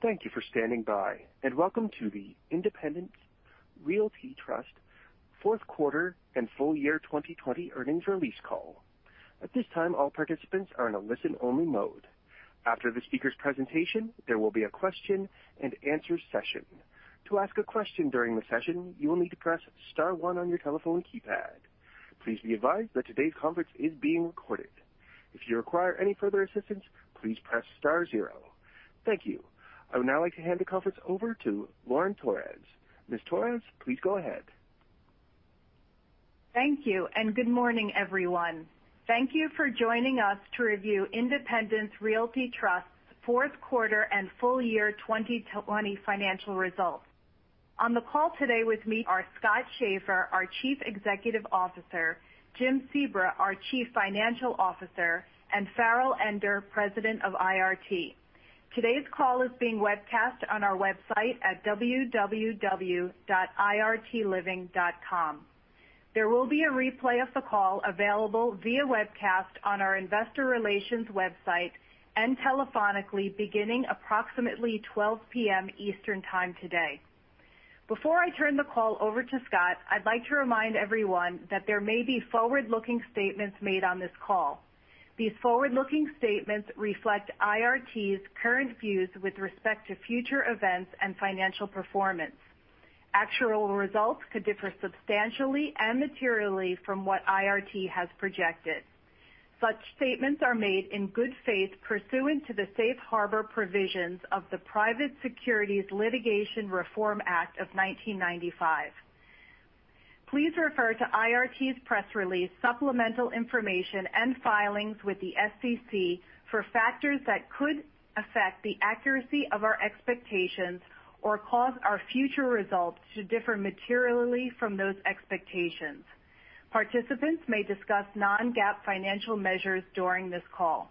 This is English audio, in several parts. Thank you for standing by, and welcome to the Independence Realty Trust fourth quarter and full year 2020 earnings release call. At this time, all participants are in a listen-only mode. After the speakers' presentation, there will be a question-and-answer session. To ask a question during the session, you will need to press star one on your telephone keypad. Please be advised that today's conference is being recorded. If you require any further assistance, please press star zero. Thank you. I would now like to hand the conference over to Lauren Torres. Ms. Torres, please go ahead. Thank you, and good morning, everyone. Thank you for joining us to review Independence Realty Trust's fourth quarter and full year 2020 financial results. On the call today with me are Scott Schaeffer, our Chief Executive Officer, Jim Sebra, our Chief Financial Officer, and Farrell Ender, President of IRT. Today's call is being webcast on our website at www.irtliving.com. There will be a replay of the call available via webcast on our Investor Relations website and telephonically beginning approximately 12:00 PM Eastern Time today. Before I turn the call over to Scott, I'd like to remind everyone that there may be forward-looking statements made on this call. These forward-looking statements reflect IRT's current views with respect to future events and financial performance. Actual results could differ substantially and materially from what IRT has projected. Such statements are made in good faith pursuant to the safe harbor provisions of the Private Securities Litigation Reform Act of 1995. Please refer to IRT's press release, supplemental information, and filings with the SEC for factors that could affect the accuracy of our expectations or cause our future results to differ materially from those expectations. Participants may discuss non-GAAP financial measures during this call.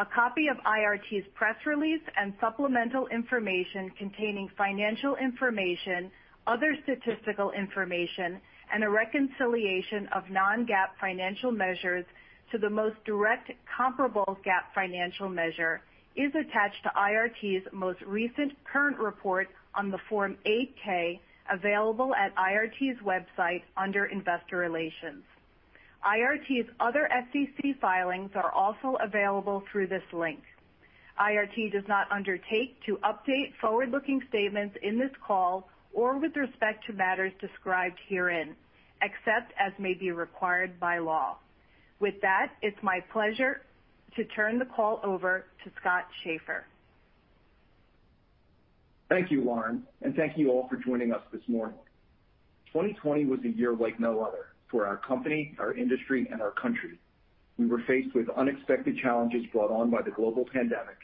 A copy of IRT's press release and supplemental information containing financial information, other statistical information, and a reconciliation of non-GAAP financial measures to the most direct comparable GAAP financial measure is attached to IRT's most recent current report on the Form 8-K available at IRT's website under Investor Relations. IRT's other SEC filings are also available through this link. IRT does not undertake to update forward-looking statements in this call or with respect to matters described herein, except as may be required by law. With that, it's my pleasure to turn the call over to Scott Schaeffer. Thank you, Lauren, and thank you all for joining us this morning. 2020 was a year like no other for our company, our industry, and our country. We were faced with unexpected challenges brought on by the global pandemic,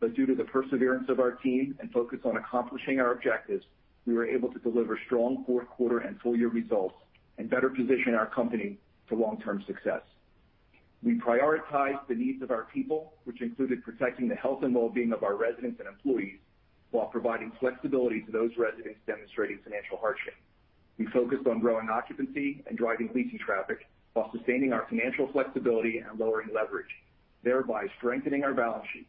but due to the perseverance of our team and focus on accomplishing our objectives, we were able to deliver strong fourth quarter and full year results and better position our company for long-term success. We prioritized the needs of our people, which included protecting the health and well-being of our residents and employees while providing flexibility to those residents demonstrating financial hardship. We focused on growing occupancy and driving leasing traffic while sustaining our financial flexibility and lowering leverage, thereby strengthening our balance sheet.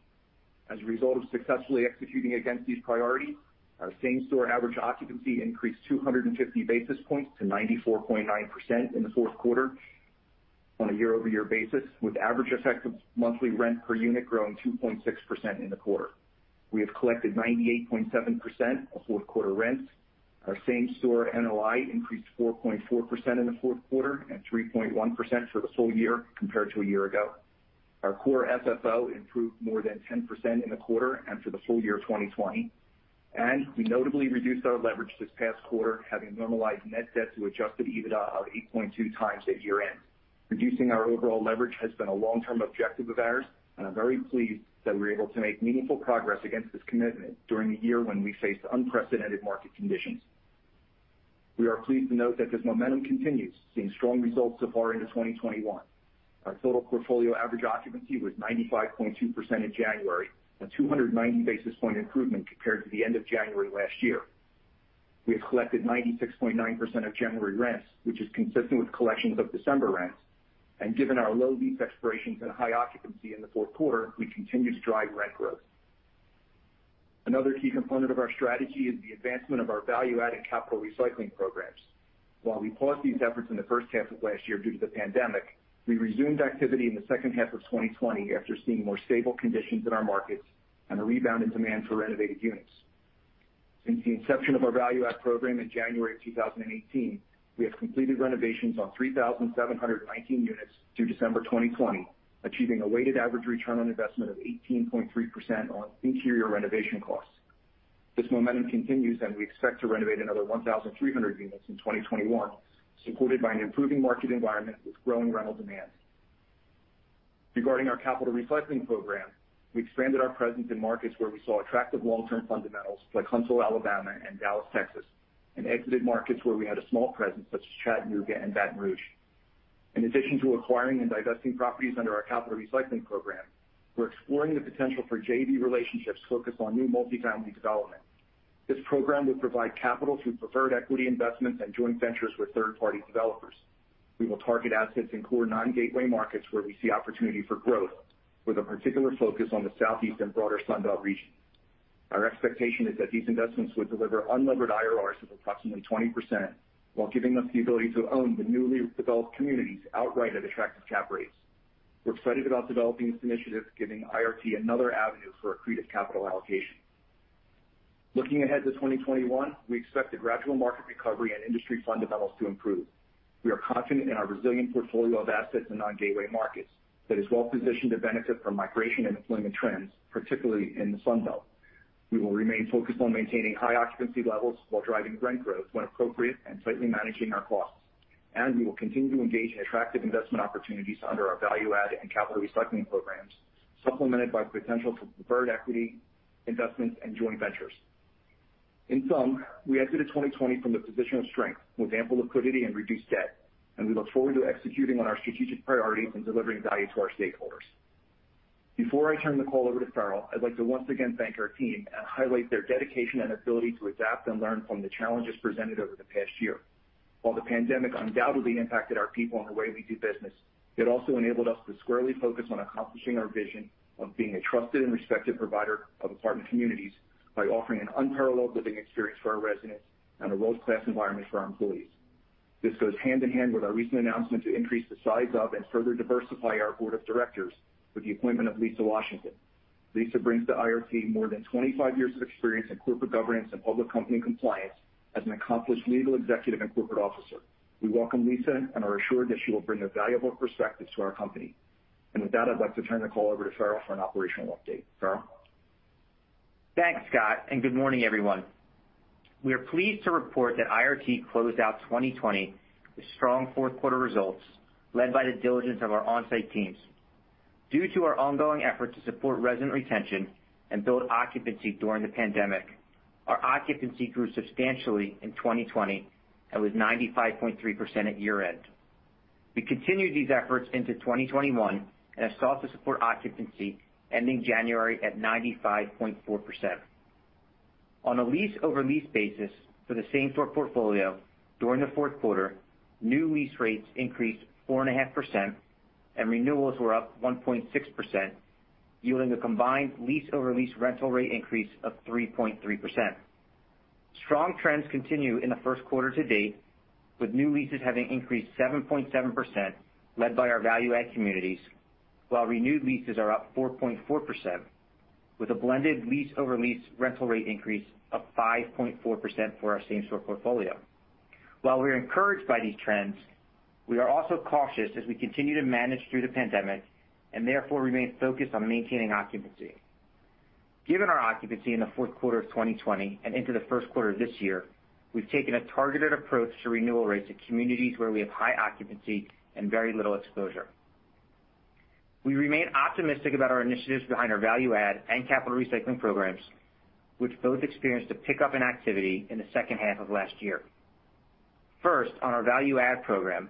As a result of successfully executing against these priorities, our same-store average occupancy increased 250 basis points to 94.9% in the fourth quarter on a year-over-year basis, with average effective monthly rent per unit growing 2.6% in the quarter. We have collected 98.7% of fourth quarter rents. Our same-store NOI increased 4.4% in the fourth quarter and 3.1% for the full year compared to a year ago. Our core FFO improved more than 10% in the quarter and for the full year 2020. We notably reduced our leverage this past quarter, having normalized net debt to adjusted EBITDA of 8.2x at year-end. Reducing our overall leverage has been a long-term objective of ours, and I'm very pleased that we were able to make meaningful progress against this commitment during a year when we faced unprecedented market conditions. We are pleased to note that this momentum continues, seeing strong results so far into 2021. Our total portfolio average occupancy was 95.2% in January, a 290 basis point improvement compared to the end of January last year. We have collected 96.9% of January rents, which is consistent with collections of December rents. Given our low lease expirations and high occupancy in the fourth quarter, we continue to drive rent growth. Another key component of our strategy is the advancement of our value-added capital recycling programs. While we paused these efforts in the first half of last year due to the pandemic, we resumed activity in the second half of 2020 after seeing more stable conditions in our markets and a rebound in demand for renovated units. Since the inception of our Value Add program in January of 2018, we have completed renovations on 3,719 units through December 2020, achieving a weighted average return on investment of 18.3% on interior renovation costs. This momentum continues, and we expect to renovate another 1,300 units in 2021, supported by an improving market environment with growing rental demand. Regarding our capital recycling program, we expanded our presence in markets where we saw attractive long-term fundamentals like Huntsville, Alabama and Dallas, Texas, and exited markets where we had a small presence, such as Chattanooga and Baton Rouge. In addition to acquiring and divesting properties under our capital recycling program, we're exploring the potential for JV relationships focused on new multi-family development. This program will provide capital through preferred equity investments and joint ventures with third-party developers. We will target assets in core non-gateway markets where we see opportunity for growth, with a particular focus on the Southeast and broader Sun Belt region. Our expectation is that these investments will deliver unlevered IRRs of approximately 20% while giving us the ability to own the newly developed communities outright at attractive cap rates. We're excited about developing this initiative, giving IRT another avenue for accretive capital allocation. Looking ahead to 2021, we expect a gradual market recovery and industry fundamentals to improve. We are confident in our resilient portfolio of assets in non-gateway markets that is well-positioned to benefit from migration and employment trends, particularly in the Sun Belt. We will remain focused on maintaining high occupancy levels while driving rent growth when appropriate and tightly managing our costs. We will continue to engage in attractive investment opportunities under our Value Add and capital recycling programs, supplemented by potential for preferred equity investments and joint ventures. In sum, we exited 2020 from a position of strength with ample liquidity and reduced debt. We look forward to executing on our strategic priorities and delivering value to our stakeholders. Before I turn the call over to Farrell, I'd like to once again thank our team and highlight their dedication and ability to adapt and learn from the challenges presented over the past year. While the pandemic undoubtedly impacted our people and the way we do business, it also enabled us to squarely focus on accomplishing our vision of being a trusted and respected provider of apartment communities by offering an unparalleled living experience for our residents and a world-class environment for our employees. This goes hand in hand with our recent announcement to increase the size of and further diversify our Board of Directors with the appointment of Lisa Washington. Lisa brings to IRT more than 25 years of experience in corporate governance and public company compliance as an accomplished legal executive and corporate officer. We welcome Lisa and are assured that she will bring a valuable perspective to our company. With that, I'd like to turn the call over to Farrell for an operational update. Farrell? Thanks, Scott, and good morning, everyone. We are pleased to report that IRT closed out 2020 with strong fourth quarter results led by the diligence of our on-site teams. Due to our ongoing effort to support resident retention and build occupancy during the pandemic, our occupancy grew substantially in 2020 and was 95.3% at year-end. We continued these efforts into 2021 and have sought to support occupancy, ending January at 95.4%. On a lease-over-lease basis for the same store portfolio during the fourth quarter, new lease rates increased 4.5% and renewals were up 1.6%, yielding a combined lease-over-lease rental rate increase of 3.3%. Strong trends continue in the first quarter-to-date, with new leases having increased 7.7%, led by our value add communities, while renewed leases are up 4.4% with a blended lease-over-lease rental rate increase of 5.4% for our same store portfolio. While we are encouraged by these trends, we are also cautious as we continue to manage through the pandemic and therefore remain focused on maintaining occupancy. Given our occupancy in the fourth quarter of 2020 and into the first quarter of this year, we've taken a targeted approach to renewal rates at communities where we have high occupancy and very little exposure. We remain optimistic about our initiatives behind our Value Add and capital recycling programs, which both experienced a pick up in activity in the second half of last year. First, on our Value Add program,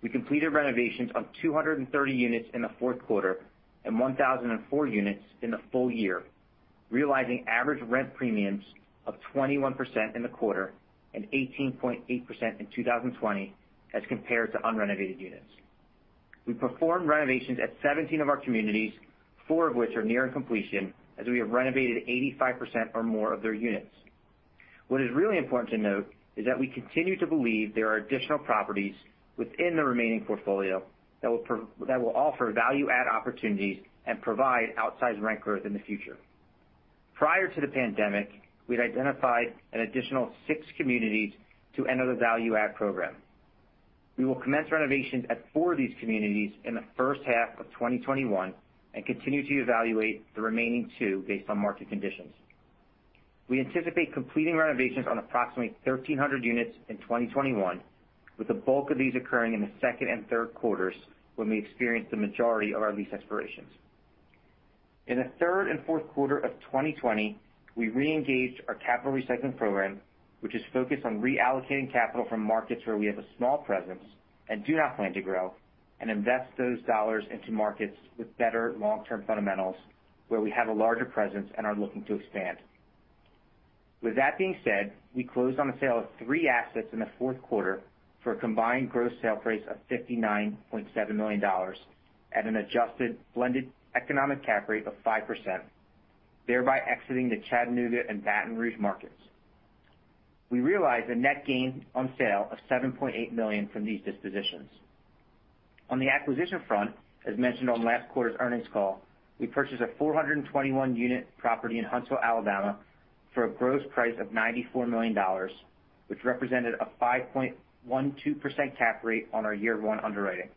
we completed renovations of 230 units in the fourth quarter and 1,004 units in the full year, realizing average rent premiums of 21% in the quarter and 18.8% in 2020 as compared to unrenovated units. We performed renovations at 17 of our communities, four of which are near completion as we have renovated 85% or more of their units. What is really important to note is that we continue to believe there are additional properties within the remaining portfolio that will offer value add opportunities and provide outsized rent growth in the future. Prior to the pandemic, we'd identified an additional six communities to enter the Value Add program. We will commence renovations at four of these communities in the first half of 2021 and continue to evaluate the remaining two based on market conditions. We anticipate completing renovations on approximately 1,300 units in 2021, with the bulk of these occurring in the second and third quarters when we experience the majority of our lease expirations. In the third and fourth quarter of 2020, we re-engaged our capital recycling program, which is focused on reallocating capital from markets where we have a small presence and do not plan to grow and invest those dollars into markets with better long-term fundamentals where we have a larger presence and are looking to expand. With that being said, we closed on the sale of three assets in the fourth quarter for a combined gross sale price of $59.7 million at an adjusted blended economic cap rate of 5%, thereby exiting the Chattanooga and Baton Rouge markets. We realized a net gain on sale of $7.8 million from these dispositions. On the acquisition front, as mentioned on last quarter's earnings call, we purchased a 421-unit property in Huntsville, Alabama, for a gross price of $94 million, which represented a 5.12% cap rate on our year one underwriting.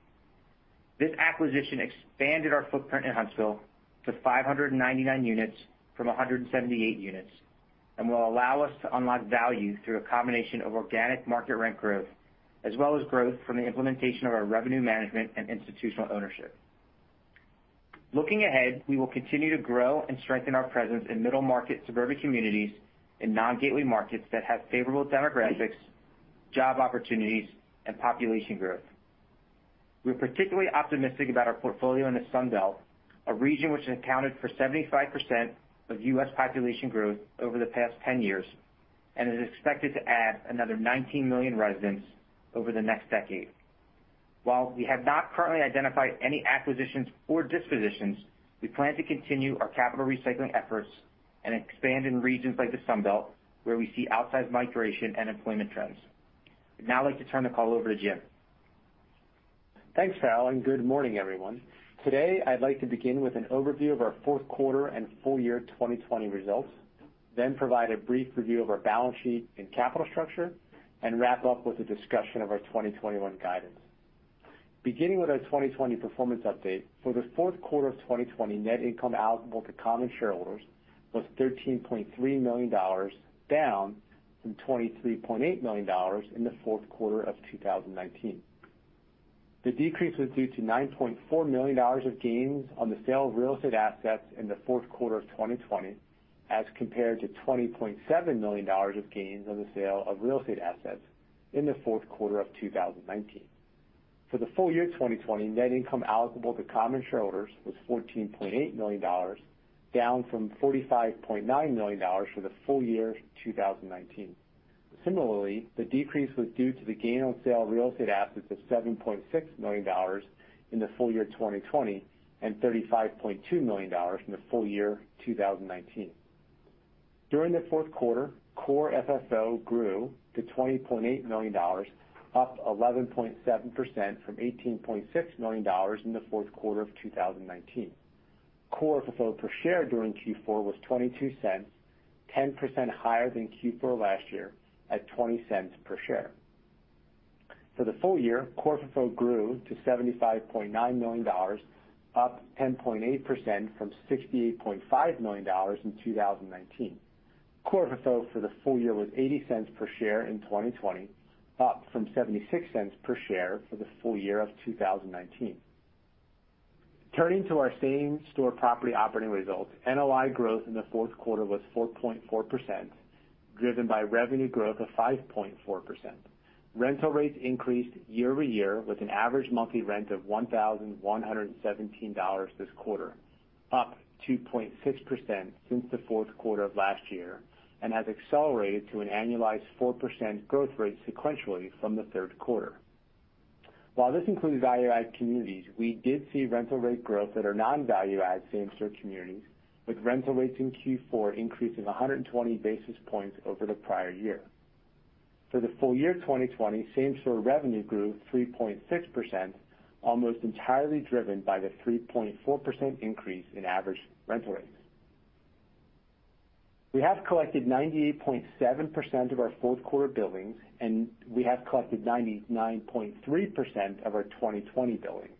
This acquisition expanded our footprint in Huntsville to 599 units from 178 units and will allow us to unlock value through a combination of organic market rent growth as well as growth from the implementation of our revenue management and institutional ownership. Looking ahead, we will continue to grow and strengthen our presence in middle market suburban communities and non-gateway markets that have favorable demographics, job opportunities, and population growth. We're particularly optimistic about our portfolio in the Sun Belt, a region which has accounted for 75% of U.S. population growth over the past 10 years and is expected to add another 19 million residents over the next decade. While we have not currently identified any acquisitions or dispositions, we plan to continue our capital recycling efforts and expand in regions like the Sun Belt, where we see outsized migration and employment trends. I'd now like to turn the call over to Jim. Thanks, Farrell, and good morning, everyone. Today, I'd like to begin with an overview of our fourth quarter and full year 2020 results, then provide a brief review of our balance sheet and capital structure, and wrap up with a discussion of our 2021 guidance. Beginning with our 2020 performance update. For the fourth quarter of 2020, net income eligible to common shareholders was $13.3 million, down from $23.8 million in the fourth quarter of 2019. The decrease was due to $9.4 million of gains on the sale of real estate assets in the fourth quarter of 2020, as compared to $20.7 million of gains on the sale of real estate assets in the fourth quarter of 2019. For the full year 2020, net income eligible to common shareholders was $14.8 million, down from $45.9 million for the full year 2019. Similarly, the decrease was due to the gain on sale of real estate assets of $7.6 million in the full year 2020, and $35.2 million in the full year 2019. During the fourth quarter, core FFO grew to $20.8 million, up 11.7% from $18.6 million in the fourth quarter of 2019. Core FFO per share during Q4 was $0.22, 10% higher than Q4 last year at $0.20 per share. For the full year, core FFO grew to $75.9 million, up 10.8% from $68.5 million in 2019. Core FFO for the full year was $0.80 per share in 2020, up from $0.76 per share for the full year of 2019. Turning to our same-store property operating results, NOI growth in the fourth quarter was 4.4%, driven by revenue growth of 5.4%. Rental rates increased year-over-year, with an average monthly rent of $1,117 this quarter, up 2.6% since the fourth quarter of last year, and has accelerated to an annualized 4% growth rate sequentially from the third quarter. While this includes value-add communities, we did see rental rate growth that are non-value-add same-store communities, with rental rates in Q4 increasing 120 basis points over the prior year. For the full year 2020, same-store revenue grew 3.6%, almost entirely driven by the 3.4% increase in average rental rates. We have collected 98.7% of our fourth quarter billings, and we have collected 99.3% of our 2020 billings.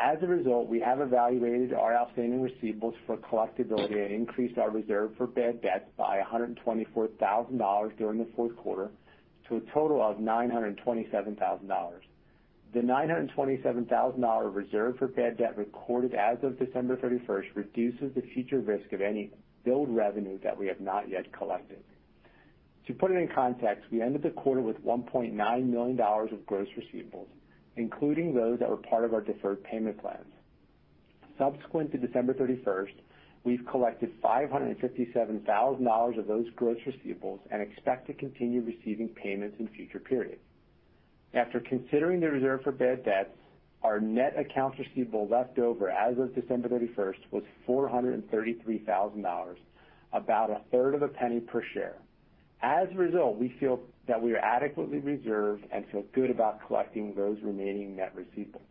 As a result, we have evaluated our outstanding receivables for collectibility and increased our reserve for bad debts by $124,000 during the fourth quarter to a total of $927,000. The $927,000 reserve for bad debt recorded as of December 31st reduces the future risk of any billed revenue that we have not yet collected. To put it in context, we ended the quarter with $1.9 million of gross receivables, including those that were part of our deferred payment plans. Subsequent to December 31st, we've collected $557,000 of those gross receivables and expect to continue receiving payments in future periods. After considering the reserve for bad debts, our net accounts receivable left over as of December 31st was $433,000, about $0.0033 per share. We feel that we are adequately reserved and feel good about collecting those remaining net receivables.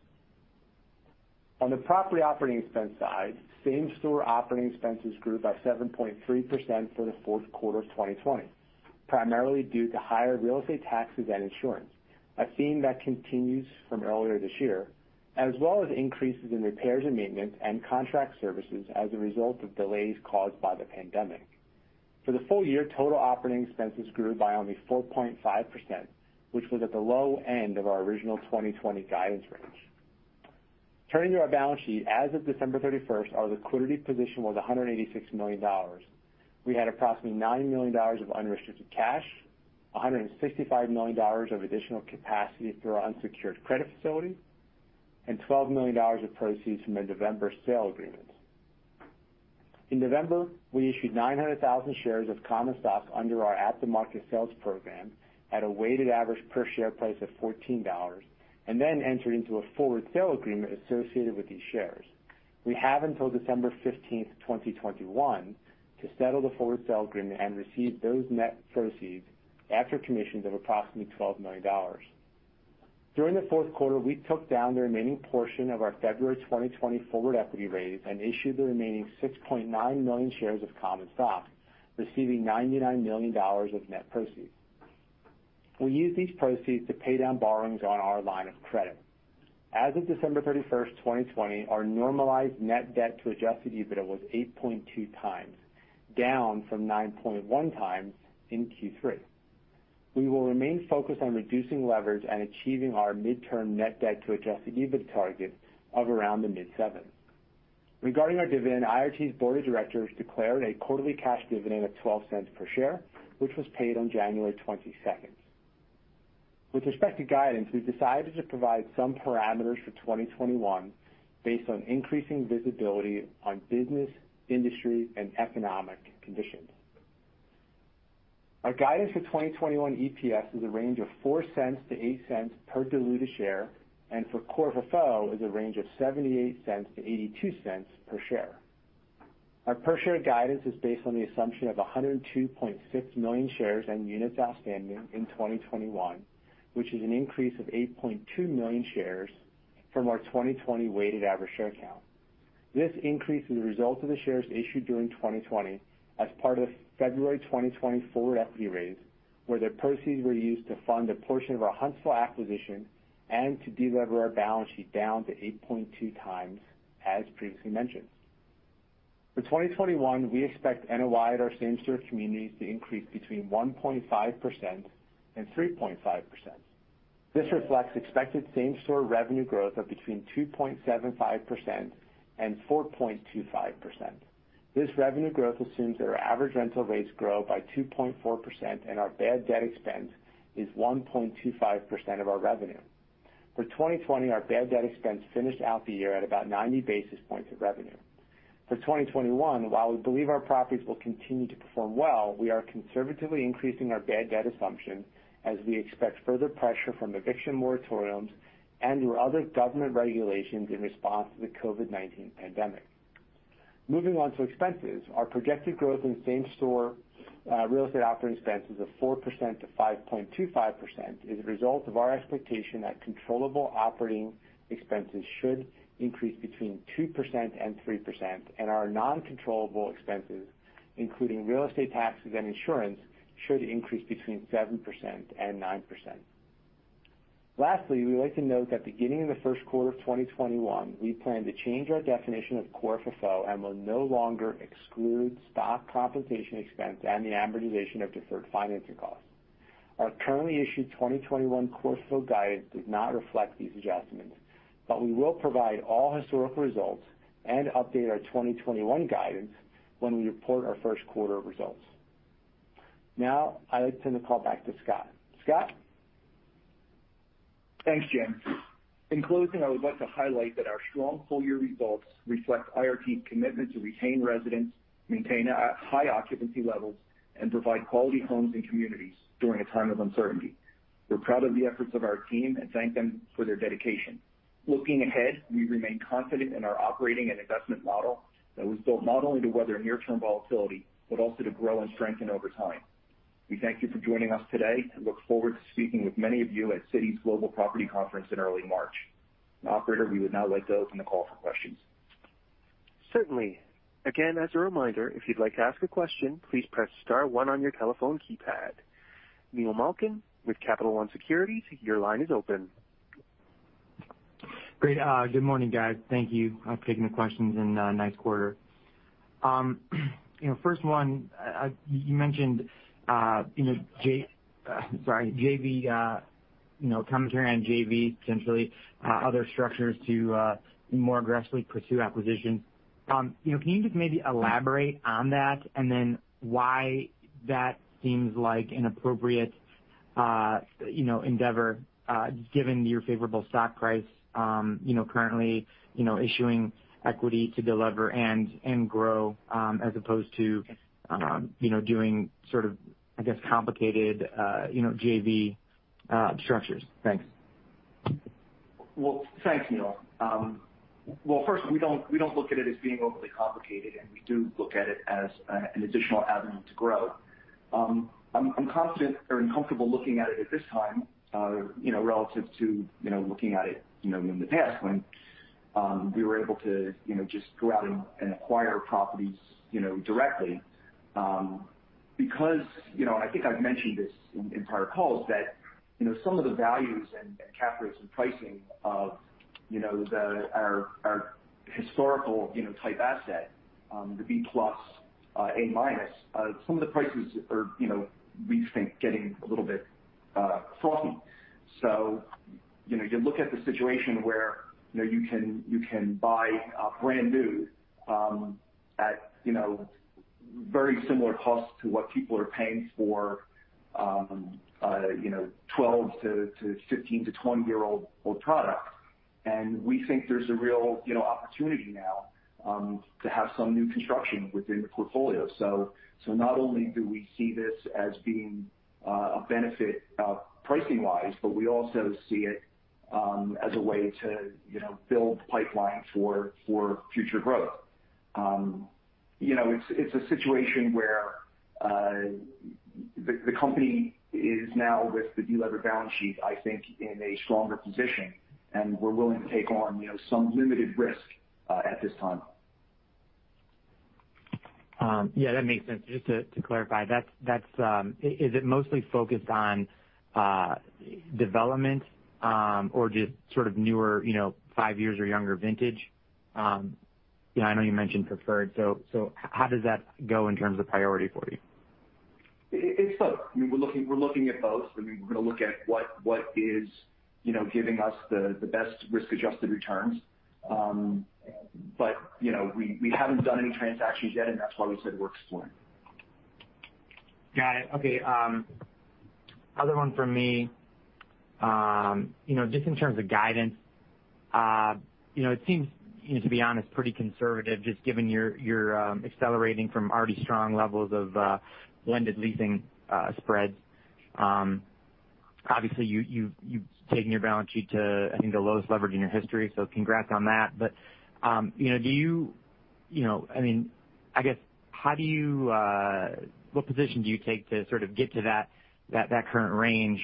On the property operating expense side, same-store operating expenses grew by 7.3% for the fourth quarter of 2020. Primarily due to higher real estate taxes and insurance, a theme that continues from earlier this year, as well as increases in repairs and maintenance and contract services as a result of delays caused by the pandemic. For the full year, total operating expenses grew by only 4.5%, which was at the low end of our original 2020 guidance range. Turning to our balance sheet, as of December 31st, our liquidity position was $186 million. We had approximately $9 million of unrestricted cash, $165 million of additional capacity through our unsecured credit facility, and $12 million of proceeds from the November sale agreements. In November, we issued 900,000 shares of common stock under our at-the-market sales program at a weighted average per share price of $14, and then entered into a forward sale agreement associated with these shares. We have until December 15th, 2021, to settle the forward sale agreement and receive those net proceeds after commissions of approximately $12 million. During the fourth quarter, we took down the remaining portion of our February 2020 forward equity raise and issued the remaining 6.9 million shares of common stock, receiving $99 million of net proceeds. We used these proceeds to pay down borrowings on our line of credit. As of December 31st, 2020, our normalized net debt to adjusted EBITDA was 8.2x, down from 9.1x in Q3. We will remain focused on reducing leverage and achieving our midterm net debt to adjusted EBITDA target of around the mid-7x. Regarding our dividend, IRT's Board of Directors declared a quarterly cash dividend of $0.12 per share, which was paid on January 22nd. With respect to guidance, we've decided to provide some parameters for 2021 based on increasing visibility on business, industry, and economic conditions. Our guidance for 2021 EPS is a range of $0.04-$0.08 per diluted share, and for core FFO is a range of $0.78-$0.82 per share. Our per share guidance is based on the assumption of 102.6 million shares and units outstanding in 2021, which is an increase of 8.2 million shares from our 2020 weighted average share count. This increase is a result of the shares issued during 2020 as part of the February 2020 forward equity raise, where the proceeds were used to fund a portion of our Huntsville acquisition and to delever our balance sheet down to 8.2x, as previously mentioned. For 2021, we expect NOI at our same-store communities to increase between 1.5% and 3.5%. This reflects expected same-store revenue growth of between 2.75% and 4.25%. This revenue growth assumes that our average rental rates grow by 2.4%, and our bad debt expense is 1.25% of our revenue. For 2020, our bad debt expense finished out the year at about 90 basis points of revenue. For 2021, while we believe our properties will continue to perform well, we are conservatively increasing our bad debt assumption as we expect further pressure from eviction moratoriums and/or other government regulations in response to the COVID-19 pandemic. Moving on to expenses, our projected growth in same-store real estate operating expenses of 4%-5.25% is a result of our expectation that controllable operating expenses should increase between 2% and 3%, and our non-controllable expenses, including real estate taxes and insurance, should increase between 7% and 9%. Lastly, we would like to note that beginning in the first quarter of 2021, we plan to change our definition of core FFO and will no longer exclude stock compensation expense and the amortization of deferred financing costs. Our currently issued 2021 core FFO guidance does not reflect these adjustments, but we will provide all historical results and update our 2021 guidance when we report our first quarter results. Now, I'd like to turn the call back to Scott. Scott? Thanks, Jim. In closing, I would like to highlight that our strong full-year results reflect IRT's commitment to retain residents, maintain high occupancy levels, and provide quality homes and communities during a time of uncertainty. We're proud of the efforts of our team and thank them for their dedication. Looking ahead, we remain confident in our operating and investment model that was built not only to weather near-term volatility, but also to grow and strengthen over time. We thank you for joining us today and look forward to speaking with many of you at Citi's Global Property Conference in early March. Operator, we would now like to open the call for questions. Certainly. Again, as a reminder, if you'd like to ask a question, please press star one on your telephone keypad. Neil Malkin with Capital One Securities, your line is open. Great. Good morning, guys. Thank you for taking the questions, and nice quarter. First one, you mentioned commentary on JV, potentially other structures to more aggressively pursue acquisitions. Can you just maybe elaborate on that, and then why that seems like an appropriate endeavor given your favorable stock price currently issuing equity to delever and grow as opposed to doing sort of, I guess, complicated JV structures? Thanks. Well, thanks, Neil. First, we don't look at it as being overly complicated, and we do look at it as an additional avenue to grow. I'm confident or comfortable looking at it at this time relative to looking at it in the past when we were able to just go out and acquire properties directly. Because I think I've mentioned this in prior calls that some of the values and cap rates and pricing of our historical type asset, the B plus, A minus, some of the prices are, we think, getting a little bit frothy. You look at the situation where you can buy brand new at very similar costs to what people are paying for 12 to 15 to 20-year-old product, and we think there's a real opportunity now to have some new construction within the portfolio. Not only do we see this as being a benefit pricing-wise, but we also see it as a way to build pipeline for future growth. It's a situation where the company is now with the delevered balance sheet, I think, in a stronger position, and we're willing to take on some limited risk at this time. Yeah, that makes sense. Just to clarify, is it mostly focused on development or just sort of newer, five years or younger vintage? I know you mentioned preferred, how does that go in terms of priority for you? It's both. We're looking at both. We're going to look at what is giving us the best risk-adjusted returns. We haven't done any transactions yet, and that's why we said we're exploring. Got it. Okay. Other one from me. Just in terms of guidance, it seems, to be honest, pretty conservative, just given you're accelerating from already strong levels of blended leasing spreads. Obviously, you've taken your balance sheet to, I think, the lowest leverage in your history, so congrats on that. I guess, what position do you take to sort of get to that current range?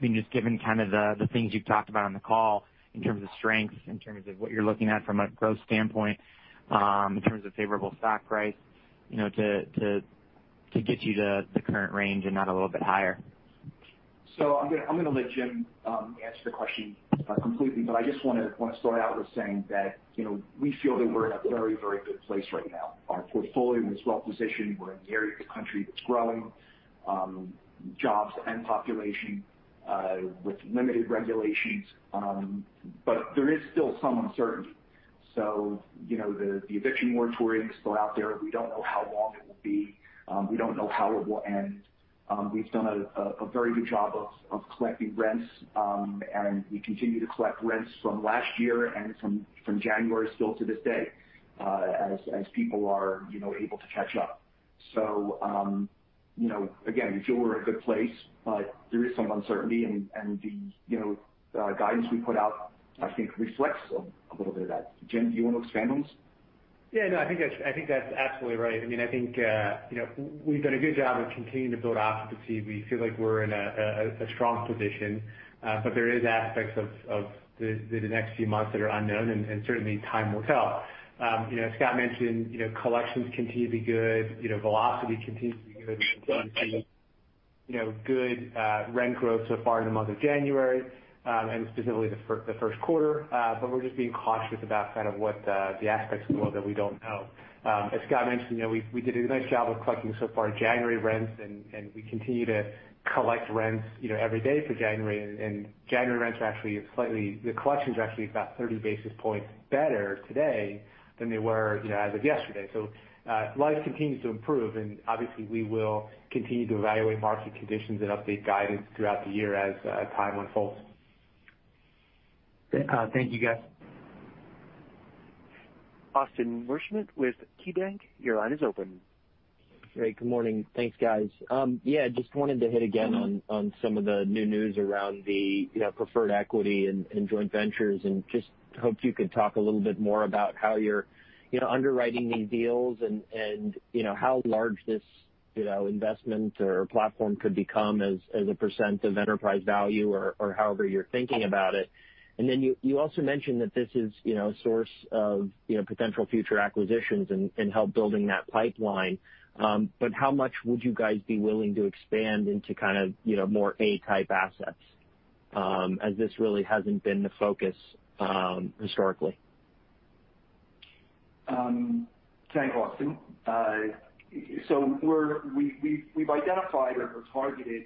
Just given the things you've talked about on the call in terms of strengths, in terms of what you're looking at from a growth standpoint, in terms of favorable stock price, to get you to the current range and not a little bit higher. I'm going to let Jim answer the question completely. I just want to start out with saying that we feel that we're in a very, very good place right now. Our portfolio is well-positioned. We're in an area of the country that's growing jobs and population with limited regulations. There is still some uncertainty. The eviction moratorium is still out there. We don't know how long it will be. We don't know how it will end. We've done a very good job of collecting rents, and we continue to collect rents from last year and from January still to this day, as people are able to catch up. Again, we feel we're in a good place, but there is some uncertainty, and the guidance we put out, I think, reflects a little bit of that. Jim, do you want to expand on this? Yeah, no, I think that's absolutely right. I think we've done a good job of continuing to build occupancy. We feel like we're in a strong position. There is aspects of the next few months that are unknown, and certainly time will tell. As Scott mentioned, collections continue to be good. Velocity continues to be good. We continue to see good rent growth so far in the month of January, and specifically the first quarter. We're just being cautious about kind of what the aspects are that we don't know. As Scott mentioned, we did a nice job of collecting so far January rents, and we continue to collect rents every day for January. January rents are actually The collection's actually about 30 basis points better today than they were as of yesterday. Life continues to improve, and obviously we will continue to evaluate market conditions and update guidance throughout the year as time unfolds. Thank you, guys. Austin Wurschmidt with KeyBanc, your line is open. Great. Good morning. Thanks, guys. Just wanted to hit again on some of the new news around the preferred equity and joint ventures, and just hoped you could talk a little bit more about how you're underwriting these deals and how large this investment or platform could become as a percent of enterprise value or however you're thinking about it. You also mentioned that this is a source of potential future acquisitions and help building that pipeline. How much would you guys be willing to expand into kind of more A type assets, as this really hasn't been the focus historically? Thanks, Austin. We've identified or targeted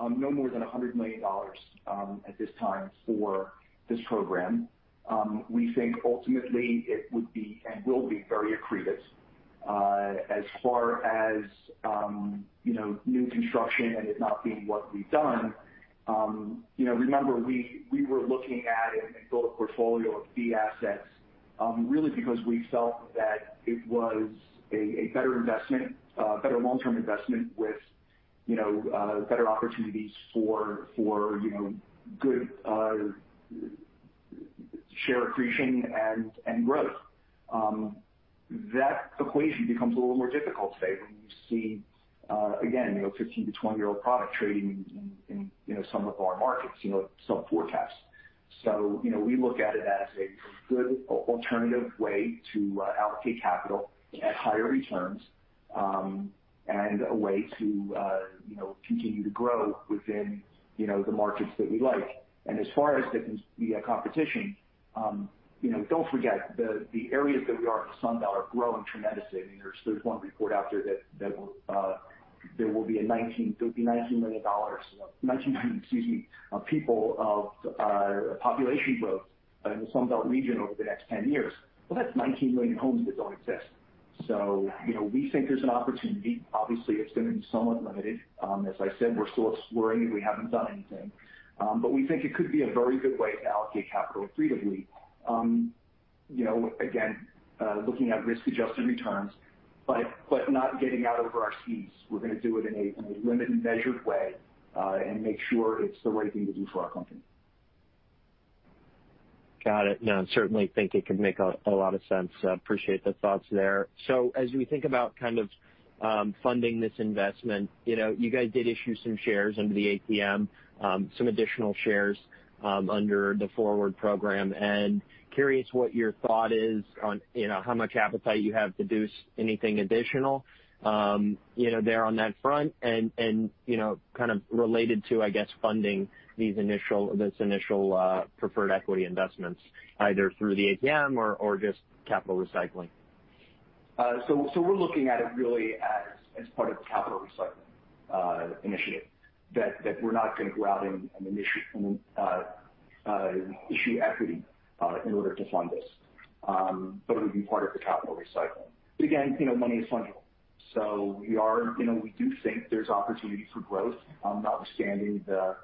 no more than $100 million at this time for this program. We think ultimately it would be and will be very accretive. As far as new construction and it not being what we've done. Remember we were looking at and built a portfolio of B assets, really because we felt that it was a better long-term investment with better opportunities for good share accretion and growth. That equation becomes a little more difficult today when you see again, 15 to 20-year-old product trading in some of our markets, some forecasts. We look at it as a good alternative way to allocate capital at higher returns, and a way to continue to grow within the markets that we like. As far as the competition, don't forget, the areas that we are in the Sun Belt are growing tremendously. There's one report out there that there'll be 19 million people of population growth in the Sun Belt region over the next 10 years. That's 19 million homes that don't exist. We think there's an opportunity. Obviously, it's going to be somewhat limited. As I said, we're still exploring and we haven't done anything. We think it could be a very good way to allocate capital accretively. Again, looking at risk-adjusted returns, but not getting out over our skis. We're going to do it in a limited and measured way, and make sure it's the right thing to do for our company. Got it. No, certainly think it could make a lot of sense. Appreciate the thoughts there. As we think about kind of funding this investment, you guys did issue some shares under the ATM, some additional shares under the forward program. Curious what your thought is on how much appetite you have to do anything additional there on that front and kind of related to, I guess, funding this initial preferred equity investments, either through the ATM or just capital recycling. We're looking at it really as part of the capital recycling initiative that we're not going to go out and issue equity in order to fund this, but it would be part of the capital recycling. Again, money is fungible. We do think there's opportunity for growth, notwithstanding the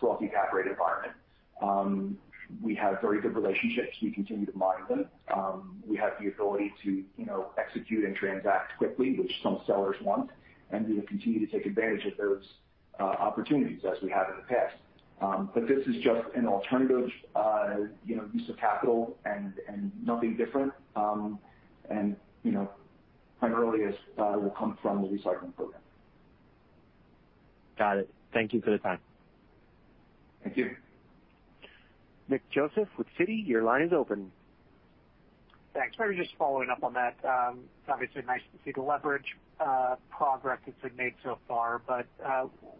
sloppy cap rate environment. We have very good relationships. We continue to mine them. We have the ability to execute and transact quickly, which some sellers want, and we will continue to take advantage of those opportunities as we have in the past. This is just an alternative use of capital and nothing different. Primarily this will come from the recycling program. Got it. Thank you for the time. Thank you. Nick Joseph with Citi, your line is open. Thanks. Maybe just following up on that. It's obviously nice to see the leverage progress that's been made so far,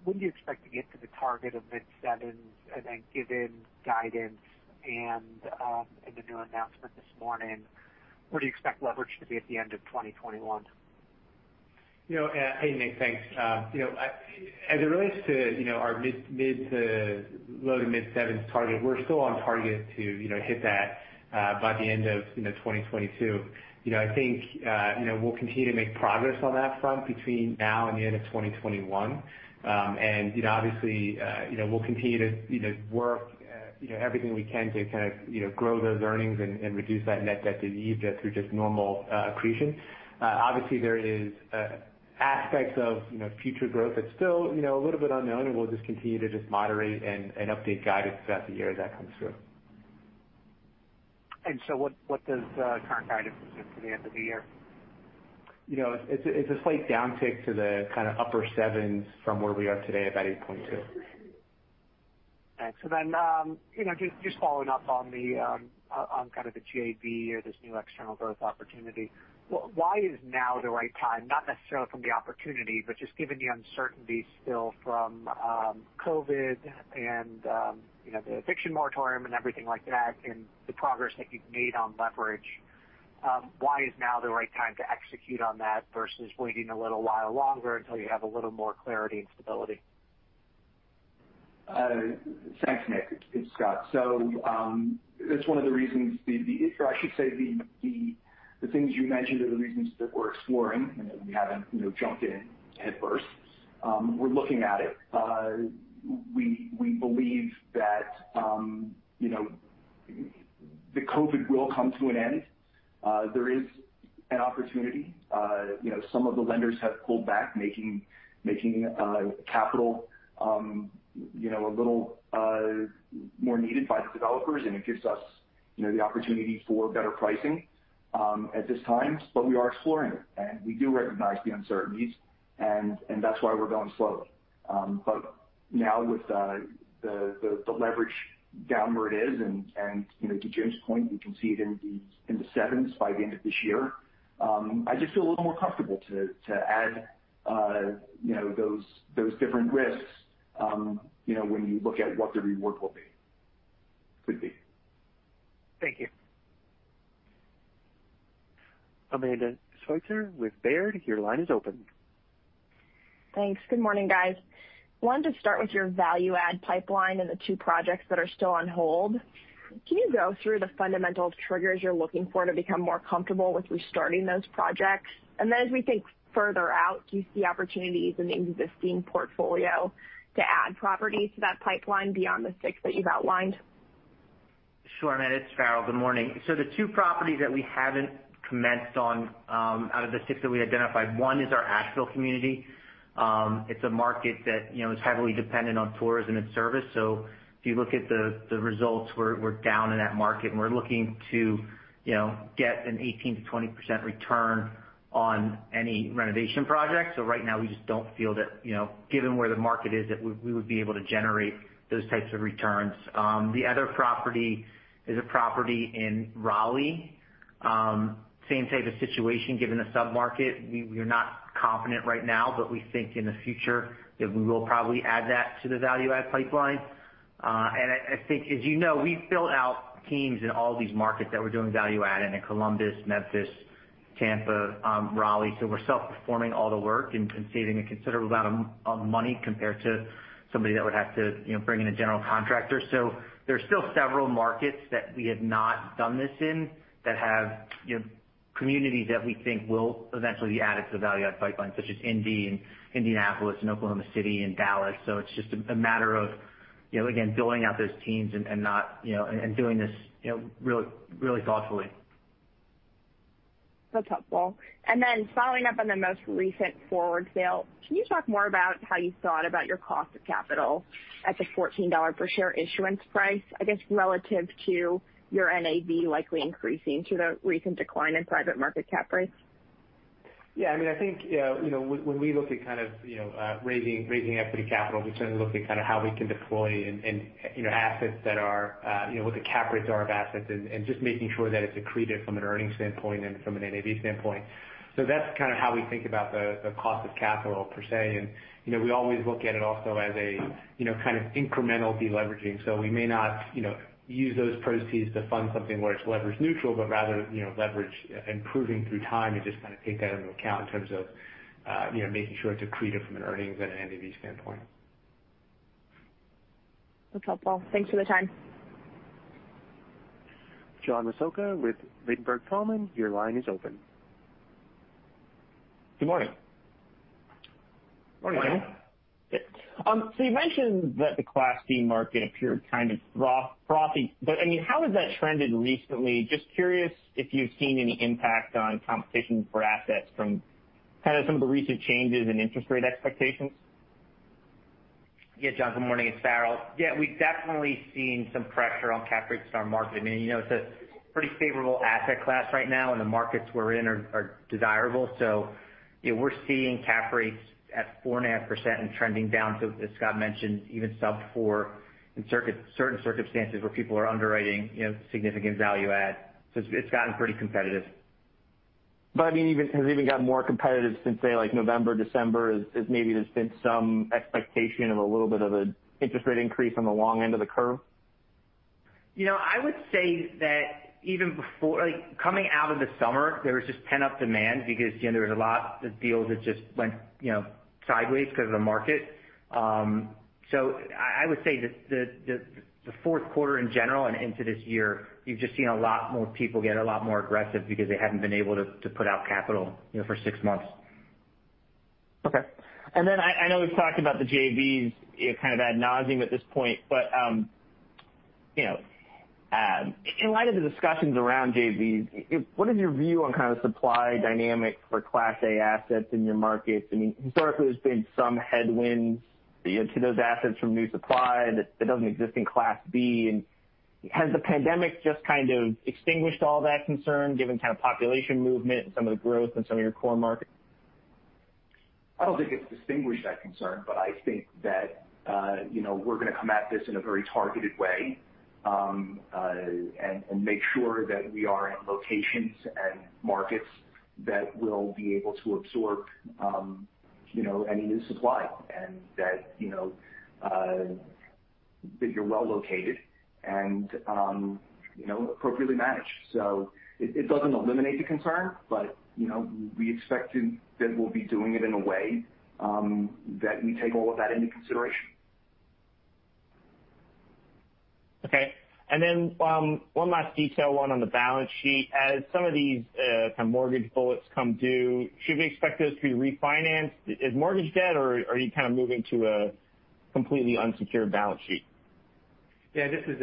when do you expect to get to the target of mid-7x? I think given guidance and the new announcement this morning, where do you expect leverage to be at the end of 2021? Hey, Nick. Thanks. As it relates to our low to mid-7x target, we're still on target to hit that by the end of 2022. I think we'll continue to make progress on that front between now and the end of 2021. Obviously we'll continue to work everything we can to kind of grow those earnings and reduce that net debt to EBITDA through just normal accretion. Obviously, there is aspects of future growth that's still a little bit unknown, we'll just continue to just moderate and update guidance throughout the year as that comes through. What does current guidance presume for the end of the year? It's a slight downtick to the kind of upper 7x from where we are today at about 8.2x. Just following up on kind of the JV or this new external growth opportunity, why is now the right time? Not necessarily from the opportunity, but just given the uncertainty still from COVID and the eviction moratorium and everything like that, and the progress that you've made on leverage, why is now the right time to execute on that versus waiting a little while longer until you have a little more clarity and stability? Thanks, Nick. It's Scott. It's one of the reasons the things you mentioned are the reasons that we're exploring, and we haven't jumped in headfirst. We're looking at it. We believe that the COVID will come to an end. There is an opportunity. Some of the lenders have pulled back, making capital a little more needed by the developers, and it gives us the opportunity for better pricing at this time. We are exploring it, and we do recognize the uncertainties, and that's why we're going slow. Now with the leverage down where it is, and to Jim's point, we can see it in the 7x by the end of this year. I just feel a little more comfortable to add those different risks when you look at what the reward could be. Thank you. Amanda Sweitzer with Baird, your line is open. Thanks. Good morning, guys. I wanted to start with your value add pipeline and the two projects that are still on hold. Can you go through the fundamental triggers you're looking for to become more comfortable with restarting those projects? As we think further out, do you see opportunities in the existing portfolio to add properties to that pipeline beyond the six that you've outlined? Sure, Amanda, it's Farrell. Good morning. The two properties that we haven't commenced on out of the six that we identified, one is our Asheville community. It's a market that is heavily dependent on tourism and service. If you look at the results, we're down in that market, and we're looking to get an 18%-20% return on any renovation project. Right now, we just don't feel that given where the market is, that we would be able to generate those types of returns. The other property is a property in Raleigh. Same type of situation given the sub-market. We are not confident right now, but we think in the future that we will probably add that to the value add pipeline. I think, as you know, we've built out teams in all these markets that we're doing value add in Columbus, Memphis, Tampa, Raleigh. We're self-performing all the work and saving a considerable amount of money compared to somebody that would have to bring in a general contractor. There are still several markets that we have not done this in that have communities that we think will eventually be added to the value add pipeline, such as Indy, Indianapolis and Oklahoma City and Dallas. It's just a matter of, again, building out those teams and doing this really thoughtfully. That's helpful. Following up on the most recent forward sale, can you talk more about how you thought about your cost of capital at the $14 per share issuance price, I guess relative to your NAV likely increasing due to the recent decline in private market cap rates? I think when we look at kind of raising equity capital, we certainly look at kind of how we can deploy in what the cap rates are of assets and just making sure that it's accretive from an earnings standpoint and from an NAV standpoint. That's kind of how we think about the cost of capital per se. We always look at it also as a kind of incremental deleveraging. We may not use those proceeds to fund something where it's leverage neutral, but rather leverage improving through time and just kind of take that into account in terms of making sure it's accretive from an earnings and an NAV standpoint. That's helpful. Thanks for the time. John Massocca with Ladenburg Thalmann, your line is open. Good morning. Morning, John. Yeah. You mentioned that the Class B market appeared kind of frothy. How has that trended recently? Just curious if you've seen any impact on competition for assets from some of the recent changes in interest rate expectations. Yeah, John, good morning. It's Farrell. We've definitely seen some pressure on cap rates in our market. It's a pretty favorable asset class right now, and the markets we're in are desirable. We're seeing cap rates at 4.5% and trending down to, as Scott mentioned, even sub-4% in certain circumstances where people are underwriting significant value add. It's gotten pretty competitive. Has it even gotten more competitive since, say, November, December, as maybe there's been some expectation of a little bit of an interest rate increase on the long end of the curve? I would say that coming out of the summer, there was just pent-up demand because there was a lot of deals that just went sideways because of the market. I would say that the fourth quarter in general and into this year, you've just seen a lot more people get a lot more aggressive because they haven't been able to put out capital for six months. Okay. I know we've talked about the JVs kind of ad nauseam at this point, but in light of the discussions around JVs, what is your view on kind of supply dynamics for Class A assets in your markets? Historically, there's been some headwinds to those assets from new supply that doesn't exist in Class B. Has the pandemic just kind of extinguished all that concern given kind of population movement and some of the growth in some of your core markets? I don't think it's extinguished that concern, but I think that we're going to come at this in a very targeted way, and make sure that we are in locations and markets that will be able to absorb any new supply and that you're well-located and appropriately managed. It doesn't eliminate the concern, but we expect that we'll be doing it in a way that we take all of that into consideration. Okay. One last detail, one on the balance sheet. As some of these mortgage bullets come due, should we expect those to be refinanced as mortgage debt, or are you kind of moving to a completely unsecured balance sheet? Yeah. This is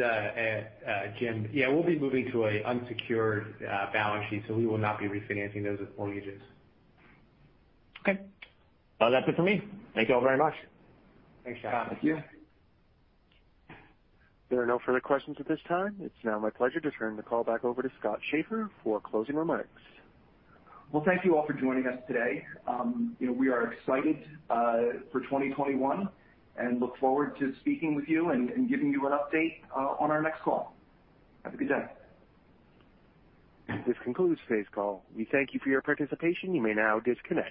Jim. Yeah, we'll be moving to an unsecured balance sheet, so we will not be refinancing those as mortgages. Okay. Well, that's it for me. Thank you all very much. Thanks, John. Thank you. There are no further questions at this time. It is now my pleasure to turn the call back over to Scott Schaeffer for closing remarks. Thank you all for joining us today. We are excited for 2021 and look forward to speaking with you and giving you an update on our next call. Have a good day. This concludes today's call. We thank you for your participation. You may now disconnect.